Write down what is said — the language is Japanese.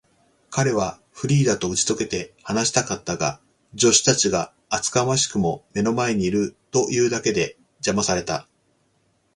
彼はフリーダとうちとけて話したかったが、助手たちが厚かましくも目の前にいるというだけで、じゃまされた。